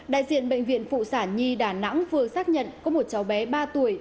đại diện bệnh viện phụ sản nhi đà nẵng vừa xác nhận có một cháu bé ba tuổi